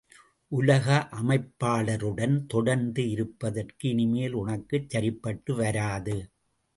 உலக அமைப்பாளருடன் தொடர்ந்து இருப்பதற்கு, இனிமேல் உனக்குச் சரிப்பட்டு வராது.